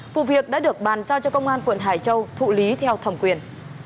vụ việc đã được bàn giao cho công an quận hải châu thụ lý theo thẩm quyền